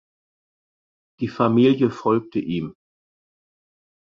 Die Familie folgte ihm.